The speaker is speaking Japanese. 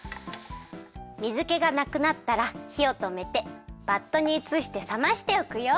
水けがなくなったらひをとめてバットにうつしてさましておくよ。